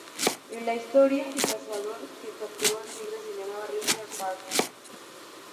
En la historia el cazador que capturó al tigre se llamaba Richard Parker.